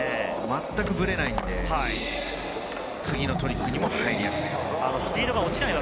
全くブレないので、次のトリックにも入りやすい。